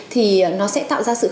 thì nó sẽ tạo ra sự khó khăn